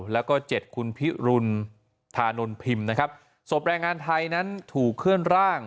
แล้วก็เจ็ดคุณพิรุณธานนพิมพ์นะครับศพแรงงานไทยนั้นถูกเคลื่อนร่าง